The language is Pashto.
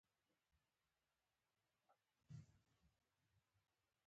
له ختیځه واردېدونکو درملو وینز شتمن کړ